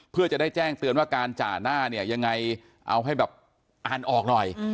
เพื่อจะได้แจ้งเตือนว่าการจ่าหน้าเนี่ยยังไงเอาให้แบบอ่านออกหน่อย